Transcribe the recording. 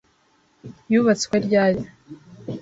Yubatswe ryari?